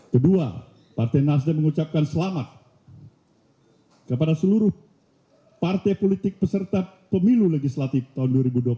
kedua partai nasdem mengucapkan selamat kepada seluruh partai politik peserta pemilu legislatif tahun dua ribu dua puluh empat